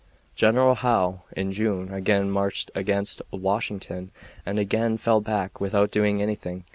General Howe, in June, again marched against Washington and again fell back without doing anything.